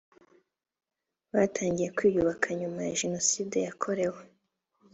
batangiye kwiyubaka nyuma ya jenoside yakorewe